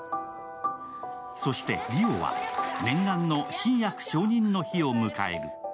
そして、梨央は念願の新薬承認の日を迎える。